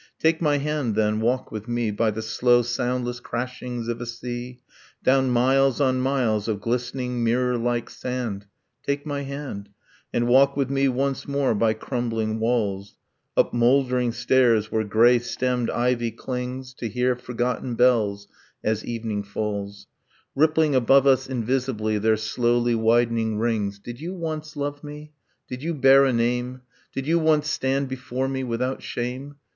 . Take my hand, then, walk with me By the slow soundless crashings of a sea Down miles on miles of glistening mirrorlike sand, Take my hand And walk with me once more by crumbling walls; Up mouldering stairs where grey stemmed ivy clings, To hear forgotten bells, as evening falls, Rippling above us invisibly their slowly widening rings. ... Did you once love me? Did you bear a name? Did you once stand before me without shame?